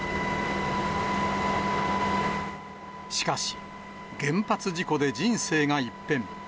しかし、原発事故で人生が一変。